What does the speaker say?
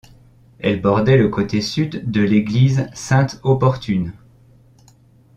Elle bordait le côté sud de l'église Sainte-Opportune.